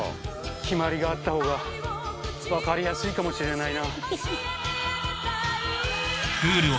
決まりがあった方が分かりやすいかもしれないな。